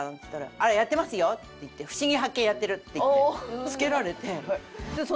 「あらやってますよ」って言って「『ふしぎ発見！』やってる」って言ってつけられて。